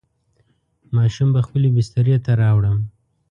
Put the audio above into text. ماشوم به خپلې بسترې ته راوړم.